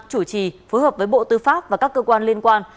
chủ trì phối hợp với bộ tư pháp và các cơ quan liên quan